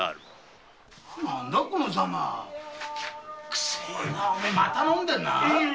くせえなあお前また飲んでるな。